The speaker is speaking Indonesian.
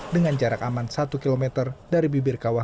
dengan jarak aman satu kilometer dari bibirkawa